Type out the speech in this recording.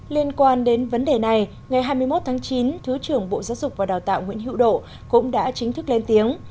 liên quan đến vấn đề này ngày hai mươi một tháng chín thứ trưởng bộ giáo dục và đào tạo nguyễn hữu độ cũng đã chính thức lên tiếng